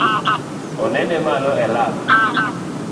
Onene malo e lab?